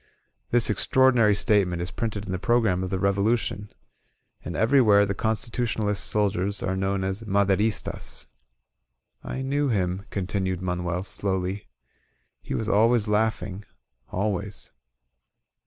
This ex traordinary statement is printed in the program of the Revolution. And everywhere the Constitutionalist soldiers are known as "Maderistas." "I knew him," continued Manuel, slowly. "He was always laughing, fidways."